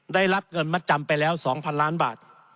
ได้รับเงินมัดจำไปแล้ว๒๐๐ล้านบาท